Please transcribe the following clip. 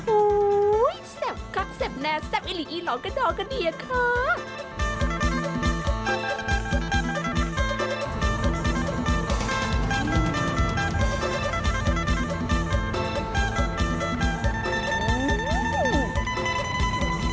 โอ้โหแซ่บคักแซ่บแน่แซ่บอิลิอีหลอกระดอกกันเฮียค่ะ